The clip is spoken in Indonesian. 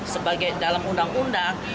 sebagai dalam undang undang